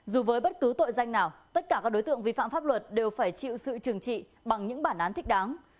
dù với bất cứ tội danh nào tất cả các đối tượng vi phạm pháp luật đều phải chịu sự trừng trị bằng những bản án thích đáng